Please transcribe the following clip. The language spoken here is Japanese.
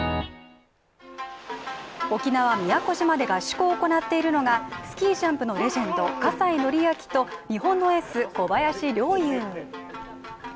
沖縄、宮古島で合宿を行っているのがスキージャンプのレジェンド・葛西紀明と日本のエース、小林陵侑。